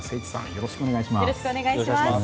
よろしくお願いします。